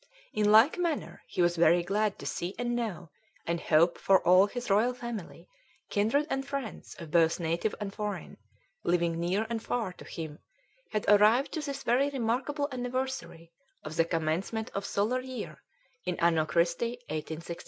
"In like manner he was very glad to see & know and hope for all his Royal Family, kindred and friends of both native and foreign, living near and far to him had arrived to this very remarkable anniversary of the commencement of Solar Year in Anno Christi 1867.